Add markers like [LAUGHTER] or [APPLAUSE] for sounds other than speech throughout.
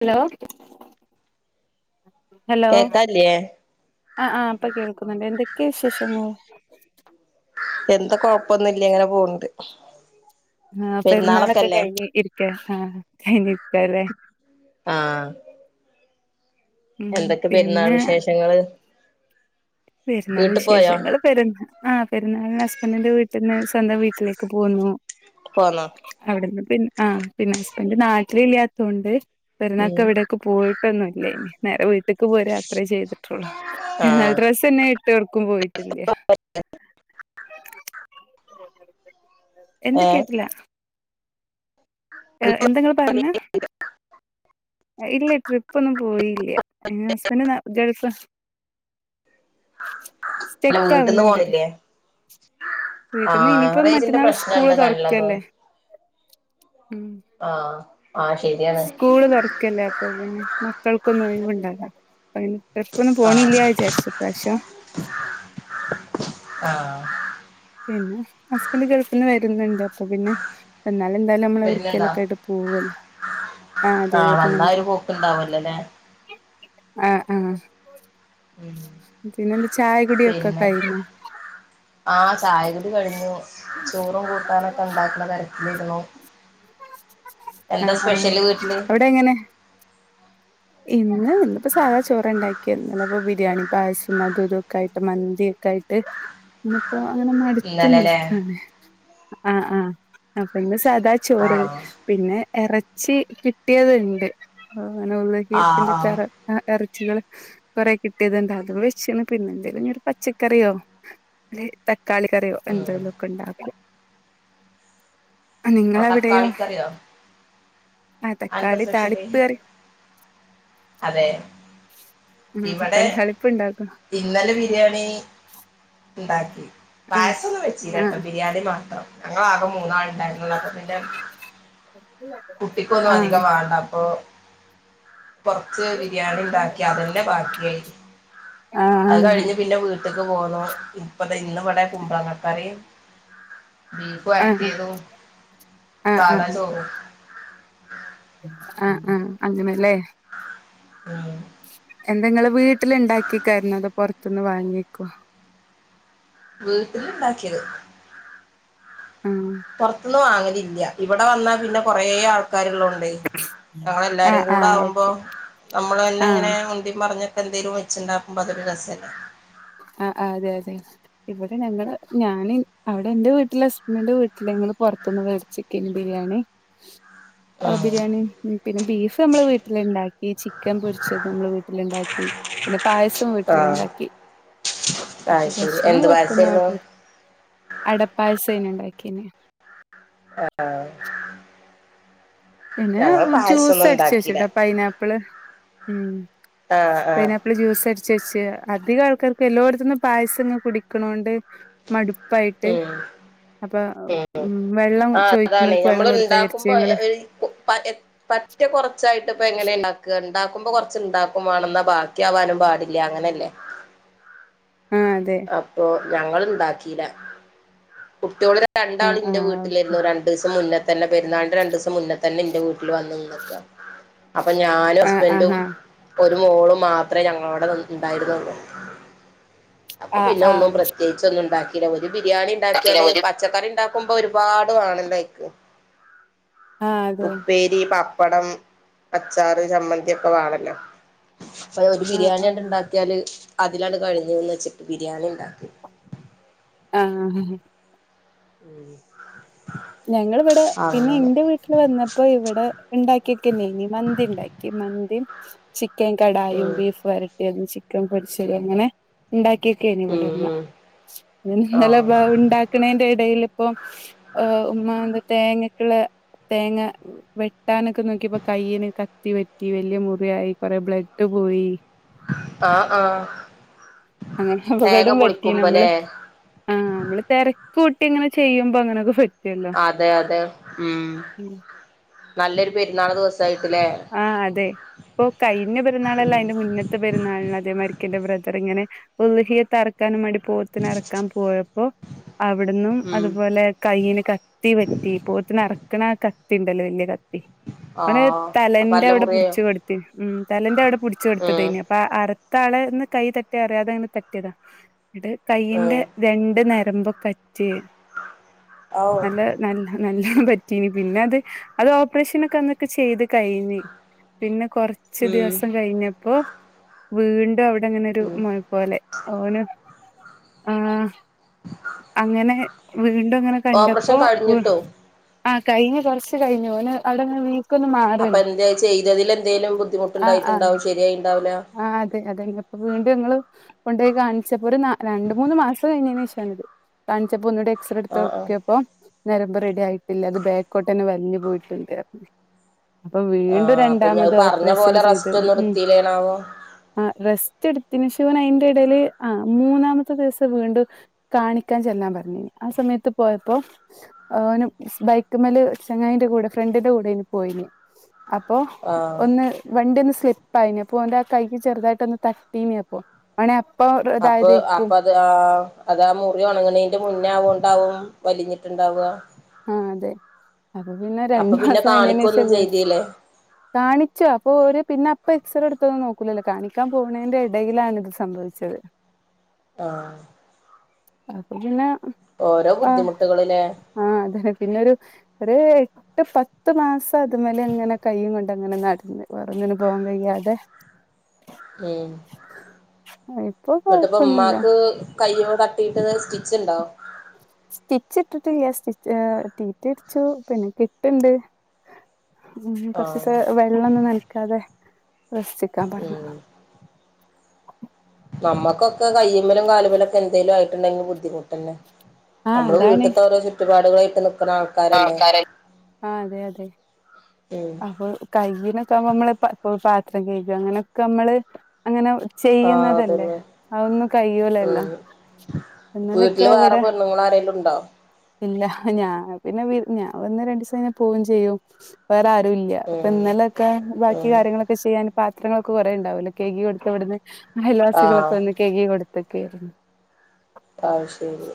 Hello hello കേക്കാല്ലേ ആഹ് ആഹ് ഇപ്പ കേൾക്കുന്നുണ്ട് എന്തൊക്കെയാ വിശേഷങ്ങൾ എന്താ കൊഴപ്പൊന്നും ഇല്ല ഇങ്ങനെ പോണുണ്ട് ആഹ് പെരുന്നാളൊക്കെ കഴിഞ്ഞ് ഇരിക്ക ആഹ് കഴിഞ്ഞിരിക്കാല്ലേ ആഹ് ഉം എന്തൊക്കെ പെരുന്നാൾ പിന്നെ വിശേഷങ്ങള് പെരുന്നാള് വീട്ട് പോയോ വിശേഷങ്ങള് പെരുന്ന ആഹ് പെരുന്നാളിന് ഹസ്ബൻഡിന്റെ വീട്ടിന്ന് സ്വന്തം വീട്ടിലേക് പോൽന്നു പോന്നോ. അവിടെന്ന് പിന്നെ ആഹ് പിന്നെ ഹസ്ബൻ്റ് നാട്ടിലില്ല്യാത്തോണ്ട് ഉം പെരുന്നാക്കവ്ടെ ക്ക് പോയിട്ടൊന്നുല്ലേനി. നേരെ വീട്ട്ക്ക് പോരാ അത്രേ ചെയ്ത്ട്ടുള്ളൂ. ആഹ് [UNINTELLIGIBLE] സ്ന്നേ വിട്ട് എട്ക്കും പോയിട്ടില്ല്യ. എന്ത് ഏഹ് കേട്ട്ല്ല. ഏഹ്, ട്രിപ്പ് എന്താങ്ങള് പർഞ്ഞേ? ഇല്ല ട്രിപ്പൊന്നും പോയില്യ. ഏ ഹസ്ൻ്റ് ന ഗൾഫ് ല്ല സ്റ്റെക്ക് വ്ട്ട്ന്ന് ആവുന്നുണ്ട് പോണ്ല്ല്യേ. വീട്ടിൽന്ന് ആഹ് ഇനിയിപ്പം റേഞ്ചിന്റെ മറ്റന്നാൾ സ്കൂള് പ്രശ്നണ്ട് നല്ല തോ തുറക്കല്ലേ [UNINTELLIGIBLE] ഉം. ആഹ്, ആഹ് ശെര്യാണ്. ക്കല്ലേ അപ്പൊപിന്നെ മക്കൾക്കൊന്നും ഒഴിവ്ണ്ടാലാ. പ്പയിന് ട്രിപ്പൊന്നും ആഹ് പോണില്ല്യാ വിചാര്ച്ചി ഇപ്രാവ്ശം. ആഹ്. പിന്നെ ഹസ്ബൻ്റ് ഗൾഫ്ന്ന് വെര്ന്ന്ണ്ട്. അപ്പപിന്നെ വന്നാലെന്തായാലും അമ്മള് വരുന്നുണ്ടോ എവ്ട്ക്കെലൊക്കെയ്ട്ട് പോവല്ലോ? ആ ആഹ്, വന്നാ ഒരു പോക്കുണ്ടാവല്ലൊ ലേ. ആഹ്, ആഹ് ഉം പിന്നെന്ത് ചായ കുടിയൊക്കെ പിന്നെ കയ്ഞ്ഞോ? ആഹ്, ചായകുടി കഴിഞ്ഞു. ചോറും കൂട്ടാനൊക്കെ ണ്ടാക്ക്ണ തെര് നിങ്കളോ? ആഹ്, ആഹ് വീട്ടില് അവിടെ എങ്ങനെ? ഇന്ന് ഇന്ന്പ്പോ സാദാചോറാണ്ടാക്ക്യത്. അല്ലാപ്പോ ബിരിയാണി, പായസും അതുതൊക്കെ ആയിട്ട്, മന്തി ക്കായിട്ട് ന്ന് അപ്പൊ അങ്ങനെ മട്ത്ത് ഇന്നലെല്ലേ നിൽക്കാണ്. ആഹ്, ആഹ് അപ്പന്ന് സാദാ ചോറ് ആഹ് പിന്നെ എറച്ചി കിട്ടിയത്ണ്ട് ആഹ് അങ്ങനെ [UNINTELLIGIBLE] [UNINTELLIGIBLE] ആഹ്, എറച്ചികള് കൊറെ കിട്ടിയത്ണ്ട് അതുംവെച്ച്ണ്. പിന്നെ എന്തെലുനി ഒരു പച്ചക്കറിയോ [UNINTELLIGIBLE] തക്കാളി കറിയോ ഉം എന്തെലൊക്കെണ്ടാക്കു ആഹ് ഓഹ് നിങ്ങളവിടെയോ? തക്കാളിക്കറിയോ ആഹ് അതെന്താ തക്കാളി സ്പെഷ്യല് താളിപ്പ്കറി. അതെ. ആഹ്, ഇവിടെ തക്കളിതാളിപ്പ്ണ്ടാ [UNINTELLIGIBLE] ഇന്നലെ ബിരിയാണീ ഇണ്ടാക്കി. ആഹ് പായസൊന്നും വെച്ചീലാട്ടോ ബിരിയാണി മാത്രം. ഞങ്ങളാകെ മൂന്നാൾണ്ടായി ന്നപ്പപിന്നെ കുട്ടിക്കൊന്നു ആഹ് അധികം വാണ്ടപ്പോ കൊർച്ച് ആഹ് ബിരിയാണിണ്ടാക്കി, അതെന്നെ ബാക്ക്യായി. അത് ആഹ് കഴിഞ്ഞ് പിന്നെ വീ ട്ട്ക്ക് പോന്നു. ഇപ്പതെ ഇന്ന്വടെ കുമ്പളങ്ങക്കറിം ബീഫ് ആഹ് വര്ട്ട്യതൂം ആഹ് സാദാ ആഹ് ചോറും. ആഹ്, ആഹ് അങ്ങനെലേ ആഹ്. എന്തെ ങ്ങള് വീട്ട്ല്ണ്ടാക്കിക്കാര്ന്നോ തോ പൊർത്ത്ന്ന് വാങ്ങിക്കോ വീട്ടില്ണ്ടാക്ക്യത്. ആഹ് പൊർത്ത്ന്ന് വാങ്ങലില്ല്യ. ഇവടെ വന്നാപിന്നെ കൊറേ ആൾക്കാരുള്ളോ ണ്ട് ഞങ്ങളെല്ലാരും ആഹ് ആഹ് കൂടാവുമ്പോ ഓക്കെ ആഹ് നമ്മളെന്നെങ്ങനെ മുണ്ടിം പറഞ്ഞ എന്തേലും വച്ചുണ്ടാക്കുമ്പോ അതൊരു രസല്ലേ. ആഹ്, ആഹ്, അതെ അതെ. ഇവിടെ ഞങ്ങള് ഞാന് അവടെ ന്റെ വീട്ട്ല് ഹസ്ബൻ്റ് വീട്ട്ല് ങ്ങള് പൊറത്ത്ന്ന് വേട്ച്ച്ക്കയ്നി ബിരിയാണി. ആഹ്, ഉം ബിരിയാണി ഉം പിന്നെ ബീഫ് അമ്മള് വീട്ടില്ണ്ടാക്കി. ചിക്കൻ പൊരിച്ചത് അമ്മള് വീട്ടില്ണ്ടാക്കി. പിന്നെ പായസോം വീട്ട്ല്ണ്ടാക്കി. അയ് ശരി എന്ത് പായസേര്ന്നു അടപ്പായസേനെ ഉണ്ടാക്കിന് ആഹ് പിന്നെ ഞങ്ങള് ജ്യൂസ് പായസൊന്നും അടച്ച് ഉണ്ടാക്കില്ല വെച്ചിട്ടണ്ട് പൈനാപ്പിള് ഉം ആഹ് ആഹ് പൈനാപ്പിൾ ജ്യൂസ് അടച്ചുവെച്ച് അധികം ആൾക്കാർക്ക് എല്ലോടത്തും പായസം ഇങ്ങെ കുടിക്കണോണ്ട് മടുപ്പ് പ്പായിട്ട് ഉം അപ്പൊ ഉം വെള്ളം ആഹ് ചോദിക്കുന്നവർക്ക് വെള്ളം കൊടുക്കാ വിചരിച്ചു ഞങ്ങള് പറ്റേ കുറച്ചായിട്ട് ഇപ്പൊ എങ്ങനെ ഉണ്ടാക്കുക ഉണ്ടാക്കുമ്പോ കൊറച്ച്ണ്ടാക്കും വേണെന്ന ബാഗ ബാക്കി ആവാനും പാടില്ല അങ്ങനെയല്ലേ ആഹ് അതെ അപ്പോൾ ഞങ്ങളുണ്ടാക്കിയില്ല കുട്ടിയോളു ആഹ് രണ്ടാളിന്റെ ആഹ് വീട്ടിലായിരുന്നു രണ്ടു ദിവസം മുന്നേ തന്നെ പെരുന്നാളിൻ്റെ രണ്ടു ദിവസം മുന്നെ തന്നെ എന്റെ വീട്ടിൽ വന്നു നിക്കുക അപ്പൊ ഞാനും ആഹ് ഹസ്ബൻറും ആഹാ ഒരു മോളും മാത്രമേ ഞങ്ങളവിടെ ഉണ്ടായിരുന്നുള്ളൂ അപ്പൊ ആഹ് പിന്നെ ഒന്നും ആഹ് പ്രത്യേകിച്ച് ഒന്നും ഉണ്ടാക്കില്ല ഒരു ബിരിയാണി ആഹ് ഉണ്ടാക്കിയാല് പച്ചക്കറി ഉണ്ടാക്ക ക്കുമ്പോ ഒരുപാട് വേണം ലൈക്ക് അതെ ഉപ്പേ രി പപ്പടം അച്ചാറ് ചമ്മന്തി ഒക്കെ വേണല്ലോ അപ്പോ ഒരു ആഹ് ബിരിയാണിണ്ട് ആഹ് ഉണ്ടാക്കിയാല് അതിലാണ് കഴിഞ്ഞന്ന് വെച്ചിട്ട് ബിരിയാണി ഉണ്ടാക്കി ആഹ് ഉം ഞങ്ങളിവിടെ പിന്നെ അങ്ങനെ എന്റെ വീട്ടില് വന്ന ഇപ്പൊ ഇവിടെ ഉണ്ടാക്കിയൊക്കെ നങ്ങ മന്തി ഉണ്ടാക്കി മന്തി ചിക്കൻ കടായും ഉം ബീഫ് വരട്ടിതും ചിക്കൻ പൊരിച്ചും അങ്ങനെ ഉണ്ടാക്കിയൊക്കാണ് ഉം ഇവിടെന്ന് ഉം ഇന്നലെ ആഹ് ഉണ്ടാക്കി ക്കണേന്റെ ഇടേല് ഇപ്പ ഉം ഉമ്മാന്റെ തേങ്ങക്ക് ഉള്ള തേങ്ങ വേ ട്ടാനൊക്കെ നോക്കിപ്പോ കൈയി കത്തി പറ്റി വലിയ മുറിയായി കൊറെ ബ്ലഡ് പോയി ആഹ് ആഹ് അങ്ങനെ തേങ്ങ അപകടം പറ്റി പൊളിക്കുമ്പല്ലേ നമ്മള് ആഹ് നമ്മള് തിരക്ക് കൂട്ടിങ്ങനെ ചെയ്യുമ്പോ അങ്ങനെയൊക്കെ പറ്റും അതെ അതെ ഉം നല്ലൊരു പെരുന്നാള് ദിവസായിട്ടില്ലേ ആഹ് അതെ ഇപ്പൊ കഴിഞ്ഞ പെരുന്നാളല്ല ഉം അതിന്റെ മുന്നത്തെ പെരുന്നാളിന് അതേമാതിരിക്ക എന്റെ ബ്രദർ ഇങ്ങനെ ഉഹിയത്ത്റക്കാനും മേണ്ടി പോത്തിന് അറക്കാൻ പോയപ്പോ അവിടന്നും ഉം അതുപോലെ കൈന് കത്തി പറ്റി പോത്ത്നറക്കണ കത്തി ഉണ്ടല്ലോ വല്യ കത്തി അങ്ങനെ ആഹ് അപ്പൊ തലന്റെ അല്ല അവിടെ മുറിയായോ പിടിച്ചു കൊടുത്ത് ഉം തലന്റെ അവിടെ പിടിച്ചു കൊടുത്തത് ഉം അയിനു അപ്പ അപ്പ അറുത്ത ആളെ ഇന്ന് കൈ തട്ടി അറിയാതെ അങ്ങനെ തട്ടിയതാ ഇത് കൈയിന്റെ ഉം രണ്ട് ഞരമ്പ്ക്ക് അറ്റ് ഔ നല്ല നല്ല നല്ലണം പറ്റിനി പിന്നെ അത് അത് ഓപ്പറേഷനൊക്കെ അന്നൊക്കെ ചെയ്ത് കഴിഞ്ഞ് പിന്നെ കൊറച്ച് ഉം ദിവസം കഴിഞ്ഞപ്പോ വീണ്ടും അവി അവിടെ ഒരു ഉം മോഴ പോലെ ഓന് ആഹ് അങ്ങനെ വീണ്ടും അങ്ങനെ ഓപ്പറേഷൻ കണ്ടപ്പോ കഴിഞ്ഞിട്ടോ ആഹ് കഴിഞ്ഞ കുറച്ച് കഴിഞ്ഞ്ഓന് അവിടെന്ന് വീക്കൊന്ന് അപ്പൊ മാറല്ലോ എന്താ ചെയ്തതിൽ എന്തെങ്കലും ആഹ് ബുദ്ധിമുട്ടുണ്ടായിട്ടുണ്ടാവും ശരിയായി ഉണ്ടാവില്ല ആഹ് അതെ അതെ അപ്പൊ വീണ്ടും ഞങ്ങള് കൊണ്ടുപയി കാണിച്ചപ്പോ ഒരു രണ്ട് മൂന്ന് മാസം കഴിഞ്ഞ ശേഷണിത് കാണിച്ചപ്പ എക്സറെ എടുത് ആഹ് ആഹ് നോക്കിയപോ നരമ്പ് റെഡി ആയിട്ടില്ല അത് ബേക്കോട്ടന്നെ വലിഞ്ഞു പോയിട്ടുണ്ട് അപ്പൊ വീണ്ടും ആഹ് അപ്പൊ ഞാൻ രണ്ടാമത് പറഞ്ഞ ഓപ്പറേഷൻ പോലെ ചെയ്ത് റെസ്റ്റ് ഒന്നും ഉം എടുത്തില്ലേണാവോ ആഹ് റെസ്റ്റ് എടുത്തിനു ശേ അയിന്റെ ഇടൽ ആഹ് മൂന്നാമത്തെ ദിവസം വീണ്ട കാണിക്കാൻ ചെല്ലാൻ പറഞ്ഞേന് ആഹ് സമയത്ത് പോയപ്പോ ഓന് ബൈക്കുമേല് ചങ്ങായിന്റെ കൂടെ ഫ്രണ്ടിന്റെ കൂടെ ഇന് പോയിന് അപ്പൊ ആഹ് ഒന്ന് വണ്ടി ഒന്ന് സ്ലിപ്പായി അപ്പോ ഓന്റെ ആ കൈ ചെറുതായിട്ട് ഒന്ന് തട്ടീനി അപ്പോ ഓനെ അപ്പോ ഒ അപ്പ് അപ്പ ആഹ് അതാ മുറി ഒണങ്ങണീന്റെ മുന്നേ ആവുണ്ടാവും വലിഞ്ഞിട്ടുണ്ടാവുക. ആ അതെ അപ്പൊ പിന്നെ അപ്പൊ രണ്ടു പിന്നെ മാസം കഴിഞ്ഞേന് കാണിക്കൊന്നും ശേഷം വി ചെയ്തില്ലേ കാണിച്ചും അപ്പൊ ഒരു പിന്നെ അപ്പൊ എക്സറ എടുത്തൊന്നും നോക്കൂലല്ലോ കാണിക്കാൻ പോണതിന്റെ ഇടയിലാണിത് സംഭവിച്ചത് ആഹ് അത് പിന്നെ ഓരോ ആ ബുദ്ധിമുട്ടുകളില്ലേ. ആഹ് അതെ പിന്നൊരു ഒര് ഒരു പത്ത് മാസം അതു മേലെ ഇങ്ങനെ കൈയും കൊണ്ട് അങ്ങനെ നടന്ന് വേറൊന്നിനും പോവാൻ കഴിയാതെ [UNINTELLIGIBLE] ഉം ഇപ്പൊ എന്നിട്ടിപ്പ കൊഴപ്പൊന്നുല്ല ഉമ്മാക്ക് കയ്യോ തട്ടിട്ട് സ്റ്റിച്ചിണ്ടോ സ്റ്റിച്ച് ഇട്ടിട്ടില്ല സ്റ്റിച്ച് ടി ടി അടിച്ചു പിന്നെ കെട്ടുണ്ട് ഉം ആഹ് കൊറച്ചൂസം വെള്ളൊന്നും നനക്കാതെ റസ്റ്റ് എടുക്കാൻ പറഞ്ഞു. ഉം നമ്മുക്കൊക്ക കയ്യുമ്മേലും കാലുമെലൊക്കെ എന്തേലും ആയിട്ടുണ്ടെങ്കിൽ ബുദ്ധിമുട്ട് തന്നെ ആഹ് നമ്മള് അതാണ് വീട്ട്ത്തെ ഓരോ ചുറ്റുപാടുകളായിട്ട് നിക്കണ ആളു ആഹ് അതെ അതെ ഉം അപ്പൊ കൈയിനൊക്കെ ആകുമ്പോ നമ്മള് പാത്രം കഴ്ക അങ്ങനൊക്കെ നമ്മള് അങ്ങനെ ആഹ് ചെയ്യുന്നതല്ലേ അതന്നെ അതൊന്നും കയൂലല്ലോ. ഉം വീട്ടില് വേറെ പെണ്ണുങ്ങള് ആരേലുണ്ടോ ഇല്ല ഞാ പിന്നെ ഞാൻ വന്ന് രണ്ടു ദിവസം കഴിഞ്ഞാ പോവേം ചെയ്യും വേറെ ആരും ഇല്ല അപ്പൊ ഉം ഇന്നലൊക്കെ ബാക്കി ഉം കാര്യങ്ങളൊക്കെ സ് ചെയ്യാൻ പാത്രങ്ങളൊക്കെ കുറേ ഉണ്ടാവില്ലേ കഴുകി കൊടുത്ത് ഇവിടുന്ന് അയൽവാസികളൊക്കെ ആഹ് വന്ന് കയുകി കൊടുത്തുക്കേ ആഹ് ശരിയാ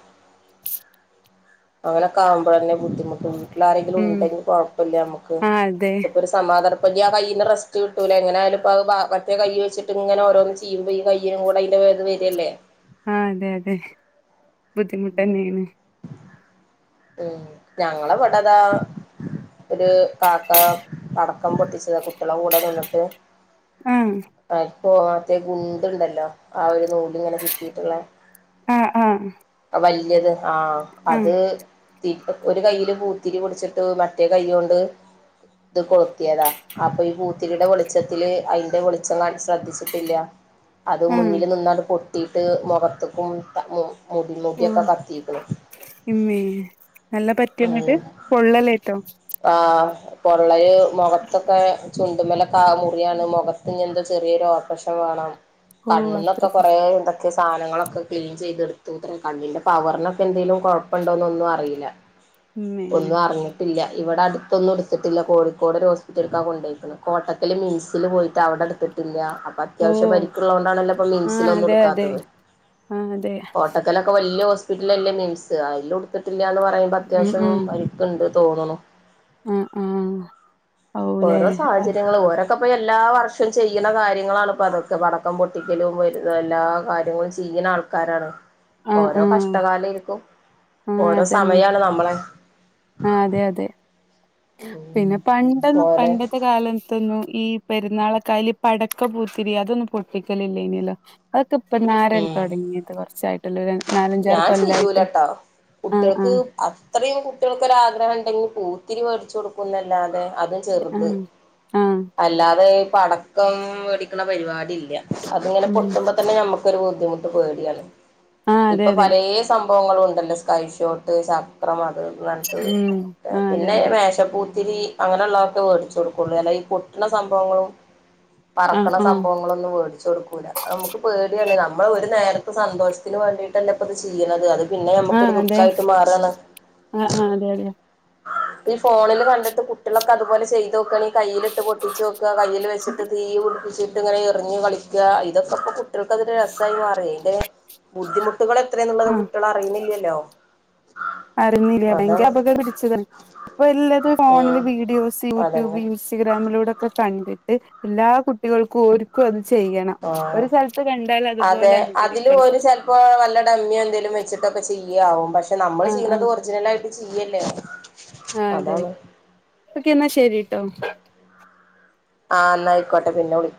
അങ്ങനൊക്കെ ആവുമ്പന്നെ ബുദ്ധിമുട്ട് വീട്ടിലാരെങ്കിലും ഉം ഉണ്ടെങ്കിൽ കുഴപ്പില്ല നമ്മുക്ക് ആഹ് അതെ ഇതിപ്പോ സ് സമാധാനപ്പ ആ കയ്യിന് റെസ്റ്റ് കിട്ടൂല എങ്ങനാലുംപ്പോ അ മറ്റേ കൈ വെച്ചിട്ട് ഇങ്ങനെ ഓരോ യ്യുമ്പം ഈ കയ്യ് കൂടി അതിൻ്റെ വേദന വരുവല്ലേ. ആഹ് അതെ അതെ ബുദ്ധിമുട്ട് തന്നെയാണ്. ഉം ഞങ്ങള ഇവിടതാ ഒരു കാക്ക പടക്കം പൊട്ടിച്ചതാ കുട്ടികളുടെ കൂടെ വീണിട്ട് ആഹ് മ പൊറത്തെ ഗുണ്ടുണ്ടല്ലോ ആ ഒരു നൂലിങ്ങനെ ചുറ്റിയിട്ടുള്ളെ ആഹ് ആഹ് ആ വല്ല്യത് ആഹ് ആഹ് അത് ഒരു കയ്യില് പൂത്തിരി പുടിച്ചിട്ട് മറ്റേ കൈ കൊണ്ട് ഇത് കൊളുത്തിയതാ അപ്പൊ ഈ പൂത്തിരിയുടെ വെളിച്ചത്തില് അയിന്റെ വെളിച്ചം [UNINTELLIGIBLE] ശ്രദ്ധിച്ചിട്ടില്ല. അത് ആഹ് മുന്നിൽ നിന്ന് അത് പൊട്ടീട്ട് മുഖത്തേക്കും മുടി മുടിയൊക്കെ ഓഹ് കത്തിക്കുന്നു. ഇമ്മേ നല്ല പറ്റിയെന്നിട്ട് പൊള്ളലേറ്റോ ആ പൊള്ളല്ല് മുഖത്തൊക്കെ ചുണ്ടു മേല മുറിയാണ് മുഖത്തിനെന്തോ ചെറിയൊരു ഓപ്പറേഷൻ വേണം ഓഹ് കണ്ണിന്നൊക്കെ അത്രക്ക് കുറെ ഇതൊ ഒക്കെ സാധനങ്ങളൊക്കെ ക്ലീൻ ചെയ്തെടുത്തുത്രേ കണ്ണിന്റെ പവറിനൊക്കെ എന്തേലും കുഴപ്പുണ്ടോന്നൊന്നും അറിയില്ല. [UNINTELLIGIBLE] ഒന്നും അറിഞ്ഞിട്ടില്ല. ഇവിടെ അടുത്തൊന്നും എടുത്തിട്ടില്ല. കോഴിക്കോട് ഒരു ഹോസ്പിറ്റക്കാ കൊണ്ടോയിക്കണേ കോട്ടത്തില് മീൻസിൽ പോയിട്ട് അവിടെടുത്തിട്ടില്ല. ത്തില്ല അപ്പ അത്യാവശ്യം ഓഹ് പരിക്കുള്ളത് കൊണ്ടാണല്ലോ ഇപ്പ ആഹ് മീൻസിലൊന്നും അതെ അതെ എടുക്കാത്തത് ആഹ് അതെ കോട്ടക്കല ക്കെ വല്ല്യാ ഹോസ്പിറ്റലല്ലേ മിൽസ് അതിലും എടുത്തിട്ടില്ലാന്ന് പറയുമ്പോ ഉം അത്യാവശ്യം ഉം പരിക്കുണ്ട് തോന്നുണു ആഹ് ആഹ് ഔലേ ഓരോ ആ സാഹചര്യങ്ങള് ഓരോ. തൊക്കെ പ്പോ എല്ലാ വർഷവും ചെയ്യുന്ന കാര്യങ്ങളാണ് ഇപ്പഅതൊക്കെ പടക്കം പൊട്ടിക്കലും വരുന്ന എല്ലാ കാര്യങ്ങളും ചെയ്യുന്ന ആൾ. ക്കാരാണ് ആഹ് ഓരോ ആഹ് കഷ്ടകാലം എരിക്കും ആഹ് ഓരോ അതന്നെ സമയാണ് നമ്മളെ. ആഹ് അതെ അതെ ഉം പിന്നെ പണ്ടൊന്നും പോലെ പണ്ടത്തെ കാലം. പണ്ടൊന്നും ഈ പെരുന്നാളക്കായല് പടക്കം പൂത്തിരി അതൊന്നും പൊട്ടിക്കലില്ല യിനലോ? അതൊക്കെ ഇപ്പനാരങ് ഉം തുടങ്ങിയത് കുറച്ചായിട്ടല്ലേ ഒരു നാലഞ്ചു ഞാൻ ചെയുല ട്ടോ കുട്ട്യാൾക്ക്. ആഹ് അത്രയും കുട്ടികൾക്ക് ഒരാ ആഗ്രഹം ഉണ്ടെങ്കിൽ പൂത്തിരി മേടിച്ചു കൊടുക്കുംന്നല്ലാതെ. ചെറുത് ആഹ് ആഹ് അല്ലാതെ പടക്കം മേടിക്ക്ണ പരിപാടി ഇല്ല. അതിങ്ങന ഉം പൊട്ടുമ്പോ തന്നെ നമ്മുക്കൊരു ബുദ്ധിമുട്ട് പേടിയാണ്. ആഹ് അതെ ഇപ്പൊ അതെ പലേ സംഭവങ്ങളുണ്ടല്ലോ സ്കൈഷോട്ട്. ച്ച ഉം [UNINTELLIGIBLE] ആഹ് അതെ പിന്നെ അതെ മേശപ്പൂത്തിരി. അങ്ങനെയുള്ളതൊക്കെ മേടിച്ച് കൊടുകൊള്ളൂ അല്ല ഈ പൊട്ട്ണ സംഭവങ്ങളും. ആഹ് പറക്ക്ണ ആഹ് സംഭവങ്ങളൊന്നും മേടിച്ചു കൊടുക്കൂല. നമുക്ക് പേടിയാണ് നമ്മള് ഒരു നേരത്തെ സന്തോഷത്തിന് വേണ്ടിയിട്ട ലെ ഇപ്പൊ അത് ചെയ്യ്ണത് അത്. പിന്നെ ആഹ് നമ്മുക്കൊരു അതെ ദുഃഖായിട്ട് മാറാണ്. ആഹ് ആഹ് അതെ അതെ. ഈ ഫോണിൽ കണ്ടിട് കുട്ടികളൊക്കെ അതുപോലെ ചെയ്തോ ക്കാണെയ്. കയ്യിലിട്ട് പൊട്ടിചോക്ക കയ്യിൽ വെച്ചിട്ട് തീ പുടിപ്പിച്ച്. ഇങ്ങനെ എറിഞ്ഞ് കളിക്ക ഇതൊക്കെപ്പ കുട്ടികൾക്ക് ഒരു രസായി മാറി എലെ ബുദ്ധിമുട്ടുകൾ എത്രന്നുള്ളത് ആഹ് കുട്ടികൾ അറിയുന്നില്ലല്ലോ? അറിയുന്നില്ല ഭയങ്കര അതാണ് അപകടം പിടിച്ചതാണ് ഇപ്പൊ എല്ലാത്തും ഫോണിൽ ഉം വീഡിയോസ് അതന്നെ യൂട്യൂബ് യു ഇൻസ്റ്റഗ്രാമിലൂടൊക്കെ കണ്ടിട്ട് എല്ലാ കുട്ടികൾക്കും ഒരു. ഇകും അത് ചെയ്യണം ഒരു ആഹ് സ്ഥലത്ത് കണ്ടാൽ അതുപോലെ അനുകരിക്കണം. ഇപ്പോ വല്ല ഡമ്മി എന്തെങ്കലും വെച്ചിട്ടൊക്കെ ചെയ്യാവും പക്ഷെ നമ്മള് ആഹ് ചെയ്യുന്നത് ആഹ് ഒറിജിനൽ ആയിട്ട്. ചെയ്യല്ലേ? ആഹ് അതെ അതാണ് ഓക്കെ എന്നാ ശരി ട്ടോ. ആഹ് ന്നായിക്കോട്ടെ പിന്നെ വിളിക.